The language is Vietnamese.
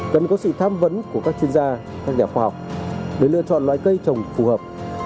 cần có sự tham vấn của các chuyên gia các nhà khoa học để lựa chọn loại cây trồng phù hợp